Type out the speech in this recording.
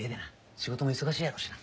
仕事も忙しいやろうしな。